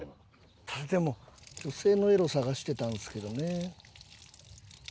でも女性のエロを探してたんですけどね。